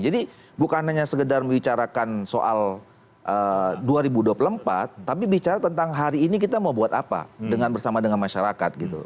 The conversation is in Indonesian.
jadi bukan hanya sekedar membicarakan soal dua ribu dua puluh empat tapi bicara tentang hari ini kita mau buat apa dengan bersama dengan masyarakat gitu